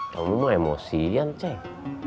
kamu emosian ceng